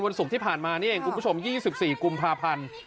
ศุกร์ที่ผ่านมานี่เองคุณผู้ชม๒๔กุมภาพันธ์